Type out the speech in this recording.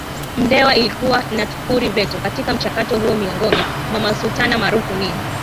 Mndewa Na ilikuwa na turufu Veto katika mchakato huoMiongoni mwa Masultana maarufu ni